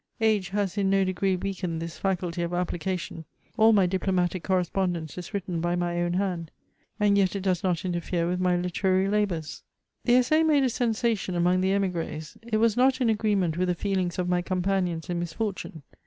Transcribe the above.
Age has in no degree weakened this faculty of application ; all my diplomatic correspondence is written by my own hand, and yet it does not inteifere with my literary labours. Tne Essai made a sensation among the emigres ; it was not in agreement with the feelings of my companions in misfor tune.